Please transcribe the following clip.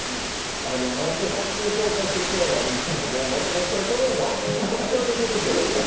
毎回写真紹介するコーナーあるんですけど松本さんに頼んだらもう一生できるんじゃないか。